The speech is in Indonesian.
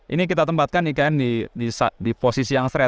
ini kita tempatkan ikn di posisi yang fresh